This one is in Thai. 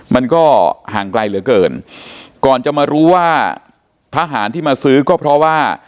มันก็ห่างไกลเหลือเกินก่อนจะมารู้ว่าทหารที่มาซื้อก็เพราะว่า